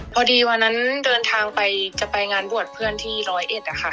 วันนั้นเดินทางไปจะไปงานบวชเพื่อนที่ร้อยเอ็ดอะค่ะ